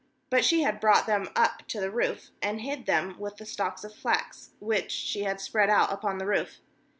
6But she had brought them up to the roof, and hid them with the stalks of flax, which she had spread out upon the roof.